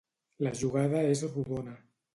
La jugada és rodona.